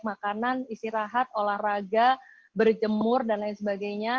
makanan istirahat olahraga berjemur dan lain sebagainya